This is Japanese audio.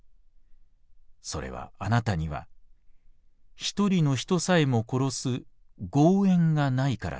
それはあなたには一人の人さえも殺す『業縁』がないからなのです。